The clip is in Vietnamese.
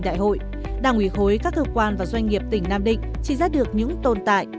đại hội đảng ủy khối các cơ quan và doanh nghiệp tỉnh nam định chỉ ra được những tồn tại